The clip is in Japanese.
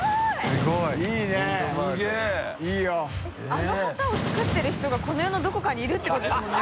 あの旗を作ってる人が海寮いどこかにいるってことですもんね？